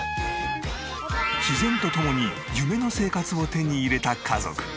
自然と共に夢の生活を手に入れた家族。